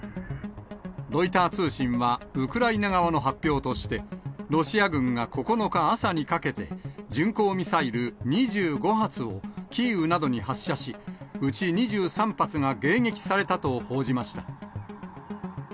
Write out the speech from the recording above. ロイター通信は、ウクライナ側の発表として、ロシア軍が９日朝にかけて、巡航ミサイル２５発をキーウなどに発射し、うち２３発が迎撃されたと報じました。